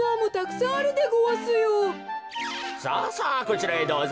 さあさあこちらへどうぞ。